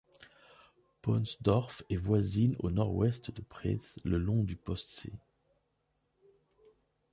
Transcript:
Pohnsdorf est voisine au nord-ouest de Preetz, le long du Postsee.